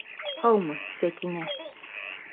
Һаумы, Сәкинә!